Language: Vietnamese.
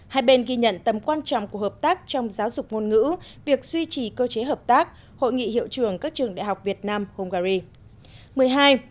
hai bên ghi nhận tầm quan trọng của hợp tác trong giáo dục ngôn ngữ việc duy trì cơ chế hợp tác hội nghị hiệu trường các trường đại học việt nam hungary